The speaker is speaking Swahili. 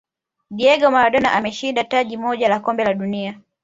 diego maradona ameshinda taji moja la kombe la dunia